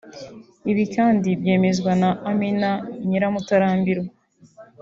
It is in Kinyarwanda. Ibi kandi byemezwa na Amina Nyiramutarambirwa